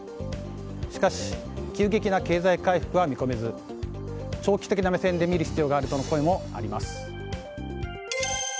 しかし急激な経済回復は見込めず長期的な目線で見る必要があるとの声もあります。